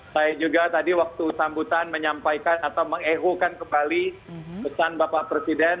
saya juga tadi waktu sambutan menyampaikan atau mengeho kan kembali pesan bapak presiden